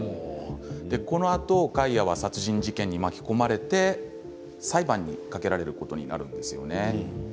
このあとカイアは殺人事件に巻き込まれて裁判にかけられることになるんです。